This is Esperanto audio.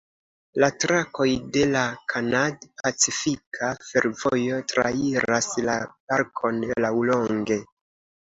La trakoj de la Kanad-Pacifika Fervojo trairas la parkon laŭlonge.